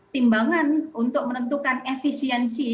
timbangan untuk menentukan efisiensi